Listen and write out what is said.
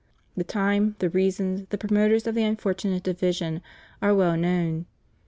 The time, the rea sons, the promoters of the unfortunate division, are well known.